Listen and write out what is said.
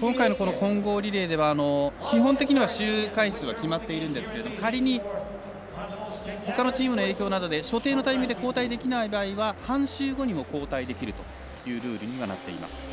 今回の混合リレーでは基本的には周回数は決まっているんですが仮にほかのチームの影響などで所定のタイミングで交代できない場合は、半周後でも交代できるというルールにはなっています。